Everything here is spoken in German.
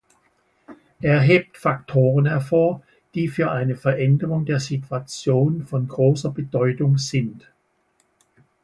Er hebt Faktoren hervor, die für eine Veränderung der Situation von großer Bedeutung sind.